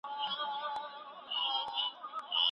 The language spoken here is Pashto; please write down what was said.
پوهان به د سياست نوي اړخونه کشفوي.